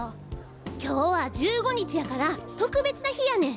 今日は１５日やから特別な日やねん！